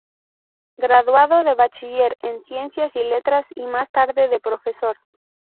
Graduado de bachiller en ciencias y letras y más tarde de profesor.